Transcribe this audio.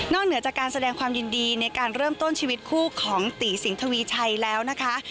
เหนือจากการแสดงความยินดีในการเริ่มต้นชีวิตคู่ของตีสิงหวีชัยแล้วนะคะ